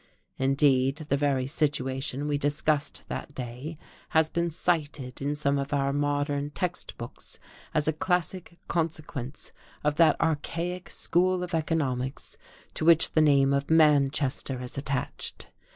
Indeed, the very situation we discussed that day has been cited in some of our modern text books as a classic consequence of that archaic school of economics to which the name of Manchester is attached.